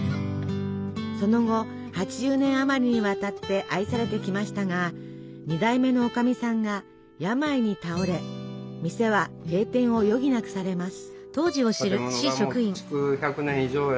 その後８０年あまりにわたって愛されてきましたが２代目のおかみさんが病に倒れ店は閉店を余儀なくされます。